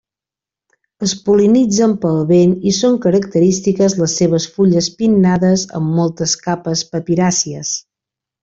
Es pol·linitzen pel vent i són característiques les seves fulles pinnades amb moltes capes papiràcies.